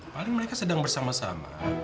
paling mereka sedang bersama sama